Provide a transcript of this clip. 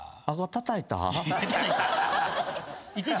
たたいたよ。